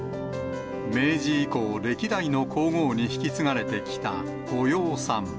明治以降、歴代の皇后に引き継がれてきた御養蚕。